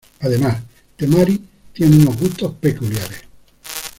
Además, Temari tiene unos gustos peculiares.